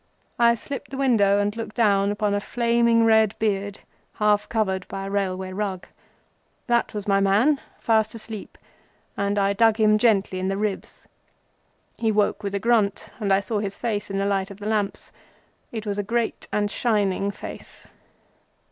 I slipped the window and looked down upon a flaming red beard, half covered by a railway rug. That was my man, fast asleep, and I dug him gently in the ribs. He woke with a grunt and I saw his face in the light of the lamps. It was a great and shining face.